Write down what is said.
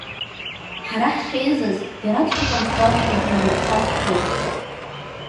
Ҳара ҳшеизаз, иара дшыҟам сгәалашәар ҳәа ҩаԥхьа сшәоит.